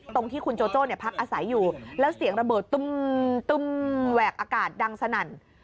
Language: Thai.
ตรงที่คุณโจโจ้พักอาศัยอยู่แล้วเสียงระเบิดตุ้มแหวกอากาศดังสนั่น